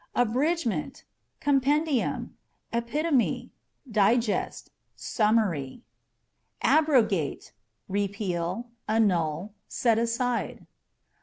Abridgmentâ€" compendium, epitome, digest, summary. Abrogate â€" repeal, annul, set aside.